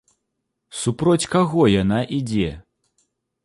Супроць каго яна ідзе?